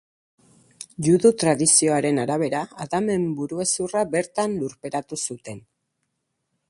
Judu-tradizioaren arabera, Adamen buru-hezurra bertan lurperatu zuten.